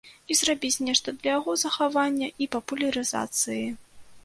І зрабіць нешта для яго захавання і папулярызацыі.